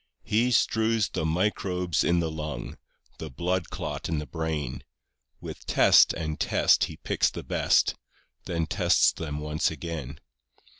6 He strews the microbes in the lung, The blood clot in the brain; With test and test He picks the best, Then tests them once again.